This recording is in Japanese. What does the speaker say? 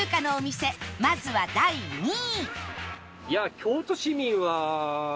まずは第２位